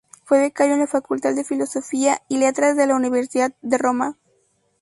Fue becario en la Facultad de Filosofía y Letras de la Universidad de Roma.